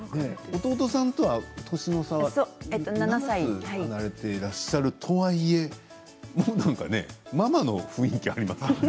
弟さんとは７歳離れていらっしゃるとはいえママの雰囲気がありますね